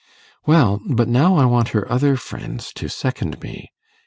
'Well, but now I want her other friends to second me.